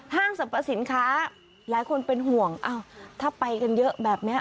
ห้างสรรพสินค้าหลายคนเป็นห่วงอ้าวถ้าไปกันเยอะแบบนี้